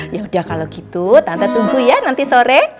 ya udah kalau gitu tante tunggu ya nanti sore